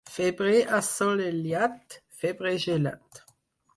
Febrer assolellat, febrer gelat.